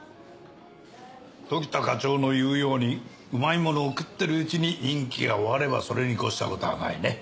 時田課長の言うようにうまいものを食ってるうちに任期が終わればそれに越したことはないね。